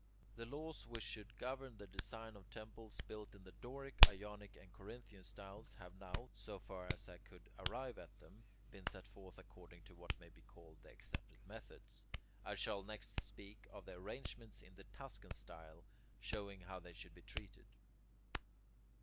The laws which should govern the design of temples built in the Doric, Ionic, and Corinthian styles, have now, so far as I could arrive at them, been set forth according to what may be called the accepted methods. I shall next speak of the arrangements in the Tuscan style, showing how they should be treated.